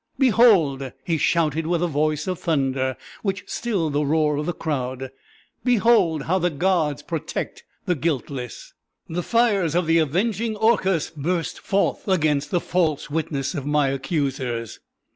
"Behold!" he shouted with a voice of thunder, which stilled the roar of the crowd: "behold how the gods protect the guiltless! The fires of the avenging Orcus burst forth against the false witness of my accusers!"